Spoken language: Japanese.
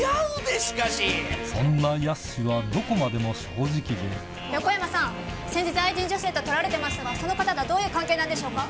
そんなやすしはどこまでも正横山さん、先日愛人女性と撮られてましたが、その方とはどういう関係なんでしょうか。